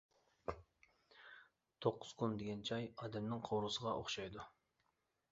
توققۇز قۇم دېگەن جاي ئادەمنىڭ قوۋۇرغىسىغا ئوخشايدۇ.